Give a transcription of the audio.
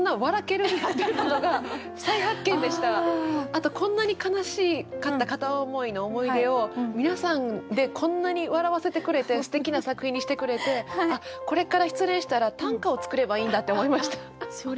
あとこんなに悲しかった片思いの思い出を皆さんでこんなに笑わせてくれてすてきな作品にしてくれてあっこれから失恋したら短歌を作ればいいんだって思いました。